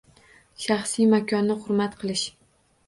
Shaxsiy makonni hurmat qilish.